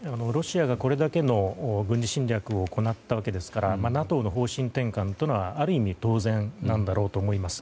ロシアが、これだけの軍事侵略を行ったわけですからＮＡＴＯの方針転換はある意味、当然だと思います。